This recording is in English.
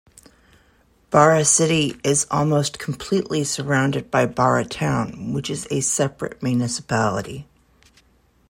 "Barre City" is almost completely surrounded by "Barre Town", which is a separate municipality.